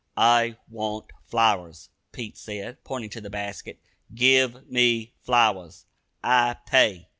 "I want flowers," Pete said, pointing to the basket. "Give me flowers I pay."